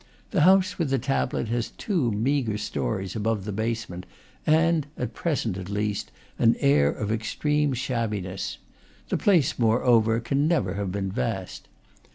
The house with the tablet has two meagre stories above the basement, and (at present, at least) an air of ex treme shabbiness; the place, moreover, never can have been vast.